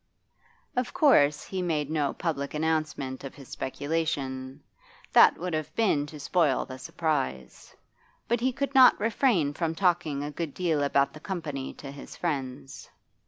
Of course he made no public announcement of his speculation: that would have been to spoil the surprise. But he could not refrain from talking a good deal about the Company to his friends.